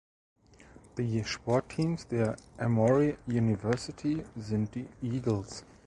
Die Sportteams der Emory University sind die "Eagles".